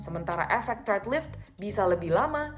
sementara efek thread lift bisa lebih lama